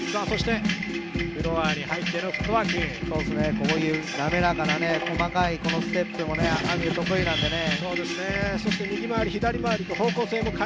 こういうなめらかな細かいステップもＡＭＩ得意なのでね。